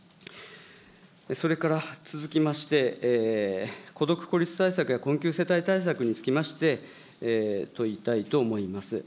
それから続きまして、孤独・孤立対策や困窮世帯対策につきまして、問いたいと思います。